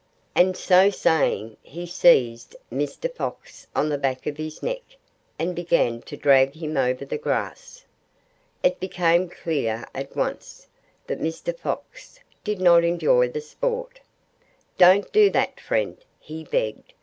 And so saying, he seized Mr. Fox on the back of his neck and began to drag him over the grass. It became clear, at once, that Mr. Fox did not enjoy the sport. "Don't do that, friend!" he begged.